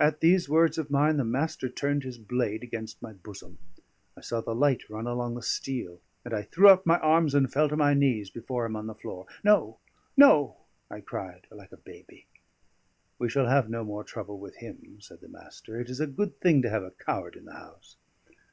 At these words of mine the Master turned his blade against my bosom; I saw the light run along the steel; and I threw up my arms and fell to my knees before him on the floor. "No, no," I cried, like a baby. "We shall have no more trouble with him," said the Master. "It is a good thing to have a coward in the house."